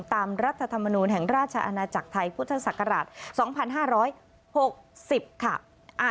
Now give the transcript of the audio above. รัฐธรรมนูลแห่งราชอาณาจักรไทยพุทธศักราช๒๕๖๐ค่ะ